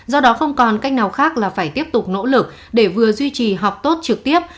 do đó không còn cách nào khác là phải tiếp tục nỗ lực để vừa duy trì họp tốt trực tiếp